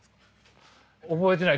覚えてない？